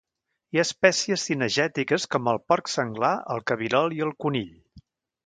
Hi ha espècies cinegètiques com el porc senglar, el cabirol i el conill.